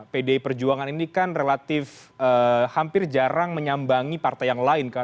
pdi perjuangan ini kan relatif hampir jarang menyambangi partai yang lain kan